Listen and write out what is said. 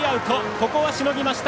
ここはしのぎました。